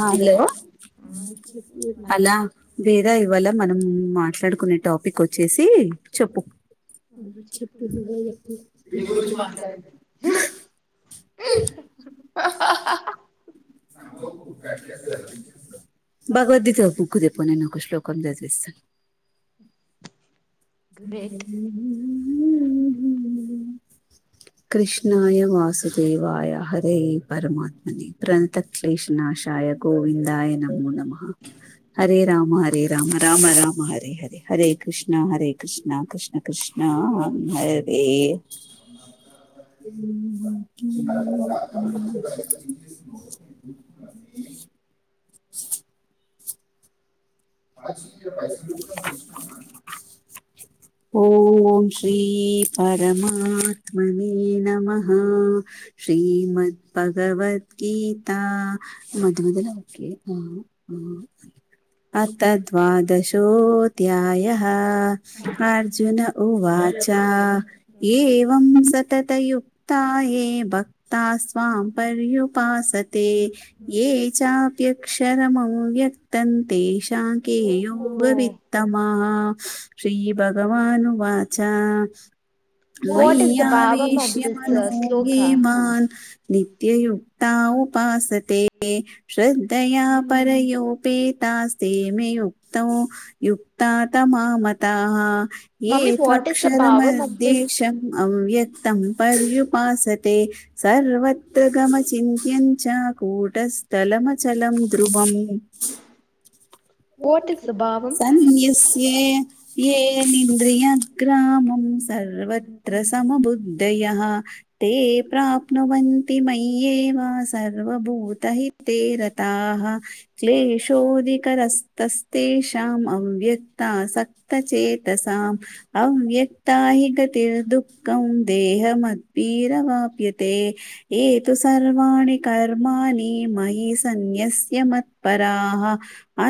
Hello అలా వేరా ఇవాళ మనం మాట్లాడుకునే టాపిక్ వచ్చేసి చెప్పు భగవద్గీత బుక్కు చెప్ప నేను ఒక శ్లోకం చదివిస్తాను ఉహు హు హు కృష్ణాయ వాసుదేవాయ హర్ రే పరమాత్మని ప్రణతక్లేేశ నాశాయ గోవిందాయ నమో నమః హరే రామ హరే రామ రామ రామ హరే హరే కృష్ణ హరే కృష్ణ కృష్ణ కృష్ణ హరే ఓం శ్రీ పరమాత్మనే నమః శ్రీమద్భగవద్గీత మధుర [unintelligible] అత్ ద్వాదశోధ్యాయ అర్జున ఉవాచ ఏం సతతయుక్తయే భక్త స్వాం పర్యుుపాసతే ఏ చాప్యక్షరమం వ్యక్త తె కయోగ విత్తమా శ్రీభగవానువాచ మొయ్యావేశ్య మనో యే మాన్ నిత్యయుక్తా ఉపా సతే శ్రద్ధయా పరాయోపేతాస్ యేమేయుక్తం యుక్తతమా మతాః యే త్వక్షర మర్దేశం అవ్యక్తం పర్యుపా. సత్ తే సర్వత్రగమచిన్త్యంచ కూటస్థలమచలం ధ్రువమ్ సన్న్యస్యే యే నింద్రియన్ గ్రామం సర్వత్ర సమబుద్ధయః తే ప్రాప్నువన్తి మయ్ మియేవ సర్వభూ ఉతహితే రతాః క్లేేశోధికరస్ తస్షాం అవ్యక్త సక్తచేతసం అవ్యక్త హి గతిర్ దుఃఖం దేహమద్భిరవాప్యతే ఏతు సర్వాన్ని కర్మా మహే సన్యస్ మత్పరా ఆహ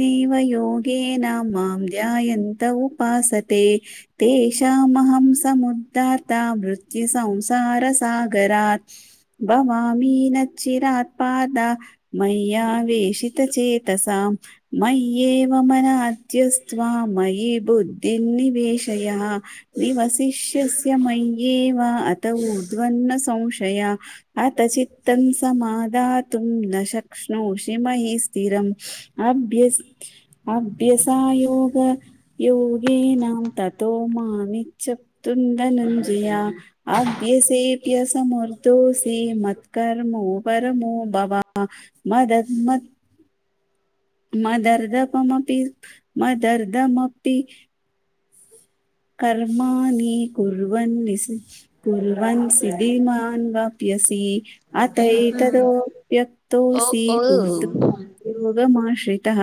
నివయో గ నా మాం ధ్యాయంత ఉపాసతే తషామహం సముద్ధత మృత్యు సంసార సాగరాత్ భవామ న చి చిరాత్ పాదా మయ్యా వేశతచేతసం మయ్యే మమన త్యస్వా మయి బుద్ధిర్ నివేశయ నివసిష్యసి మయ్యే అతౌ ఉ ద్వన్న సంశయ అత చిత్తం సమాధాతుం న శక్నోషి మయి స్థిరం అభ్యాస్ అభ్య సాయోగయోగేనా తతో మా నిచప్తుందనుంజయా అభ్యసేప్య సమర్దోసే మత్కర్మో పరమో భవా మదద్ మ మా దరదప మా ప మదర్ద అపి కర్మాని కువన్ నిస్ కువన్ సిద్ధిమాన్వాప్యసి అతైతదో వ్యక్తోసి కూర్తుం అంతోగమాశ్రితః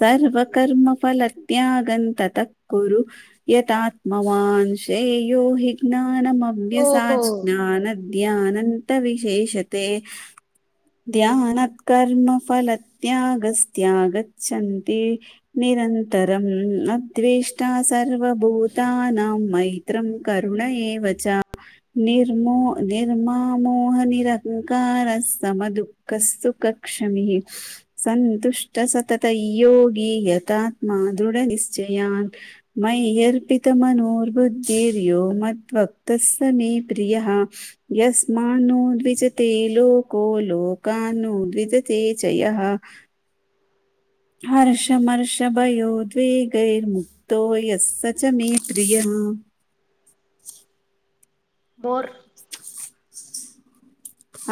సర్వ కర్మ ఫలత్యాగంతతక్ కూరు యద ఆత్మవాన్ జైయోహిక్న మాభ్యస జ్ఞాన ధ్యాన అంత విషేషతే ధ్యానత్ కర్మ ఫలత్ త్య గస్ త్యాగచ్చంతీ నిరంతరం అద్వేష్టా సర్వ భూతనాం మైత్రం కరుణ ఏవచ నిర్ము నిర్మా మోహనిరంకార సమ దుఃఖ సుఖ క్ష్యమి సంతుష్ట సతత యోగి యతత్మా దృఢ నిశ్చయాన్ మయ్యర్ త మనోర్బుద్ధిర్యో మద్ వక్త సవ మే ప్రియః స్మా నో విచతే లోక కో లోకాను విరిదతే జయః హర్షమర్ష భయద్వగైర్ముక్తోయస్ స చ మే ప్రియ మోడ్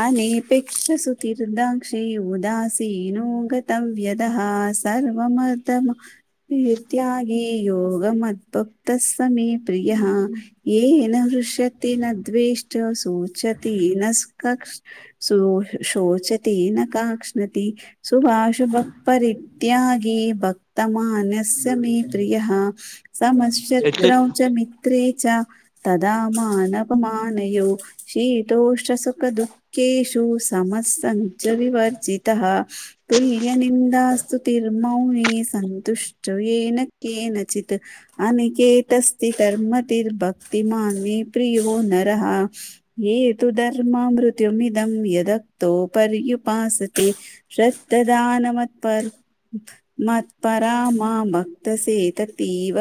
అనేపేక్ష సు తీీర్దాక్షి ఉదాసీనో గత వ్యదః సమర్ధమకీర్తగే యోగ మద్భుక్త స్వ మే ప్రియః ఏ న హృష్యతి న ద్వష్ట సూచ్యతి న స్ః కష్ శో శోచతే న కాాక్ష్ణతి సుభాషుభక్ప్పరిత్యాగే భక్తమాన్స్ మే ప్రియః సమశ్త్రౌ చ మిత్రే చ తదమాన అప మానయ్యో శి టోష్స దుఃఖేషు సమత్సంచ వివర్జిత తల్యనిందాస్తుస్తు తర్మౌని సంతుష్టయన కచిత్ అనికేతస్తి తధర్మతిర్భక్తిమాన్ని ప్రియ నరః ఏ తూ దర్ మా మృతుమిదం దక్తో పర్ుపాసతే శ్రద్ధ దాన మత్పర్ మత్పరా మా భక్తసేత తీవ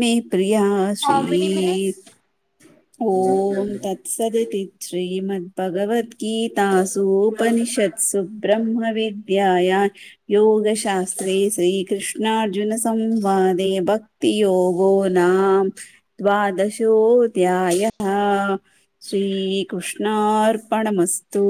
మే ప్రియాశీ ఓం తత్స శ్రీమద్ భగవద్గీతసుూ ఉపనిషత్సుబ్రహ్మ విద్యాయ ోగ శాస్త్రే శ్రీకృష్ణార్జున సంవాద భక్తియోగో నాం ద్వాదశోధ్యాయ శ్రీకృష్ణ నా అర్పణ మస్తు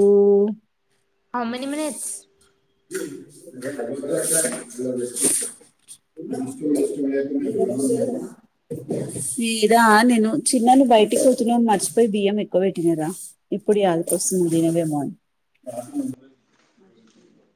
మీదా నేను చిన్నను బయటికి పోతున్నా మర్చిపోయి బియ్యం ఎక్కువ పెట్టినదా ఇప్పుడు అదిక వస్తుంది దినవే మోని నా అ